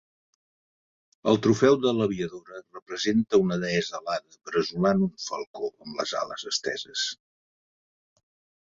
El trofeu de l'aviadora representa una deessa alada bressolant un falcó amb les ales esteses.